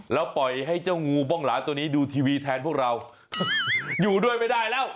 แล้วปล่อยให้เจ้างูบ้องหลาตัวนี้ดูทีวีแทนพวกเราอยู่ด้วยไม่ได้แล้ว